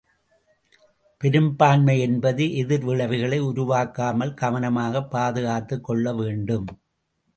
பெரும்பான்மை என்பது, எதிர் விளைவுகளை உருவாக்காமல் கவனமாகப் பாதுகாத்துக் கொள்ள வேண்டும்!